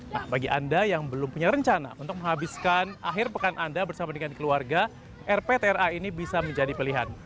nah bagi anda yang belum punya rencana untuk menghabiskan akhir pekan anda bersama dengan keluarga rptra ini bisa menjadi pilihan